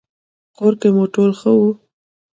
کور کې مو ټول ښه وو؟